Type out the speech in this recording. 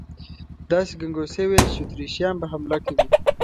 داسې ګنګوسې وې چې اتریشیان به حمله کوي.